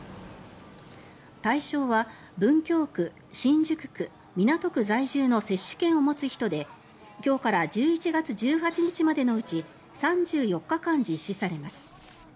対象は文京区、新宿区、港区在住の接種券を持つ人で今日から１１月１８日までのうち３４日間実施されます。